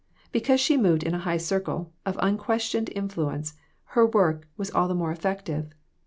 Because she moved in a high circle, of unquestioned influ ence, her work was all the more effective.